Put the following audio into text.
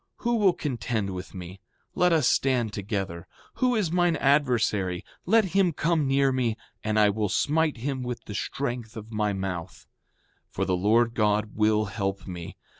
Who will contend with me? Let us stand together. Who is mine adversary? Let him come near me, and I will smite him with the strength of my mouth. 7:9 For the Lord God will help me.